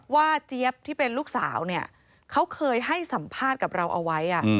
เจี๊ยบที่เป็นลูกสาวเนี่ยเขาเคยให้สัมภาษณ์กับเราเอาไว้